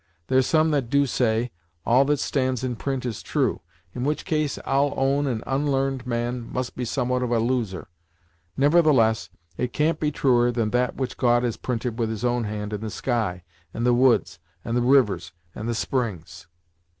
There's some that do say, all that stands in print is true, in which case I'll own an unl'arned man must be somewhat of a loser; nevertheless, it can't be truer than that which God has printed with his own hand in the sky, and the woods, and the rivers, and the springs."